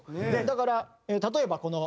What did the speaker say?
だから例えばこの。